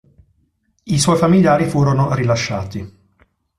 I suoi familiari furono rilasciati.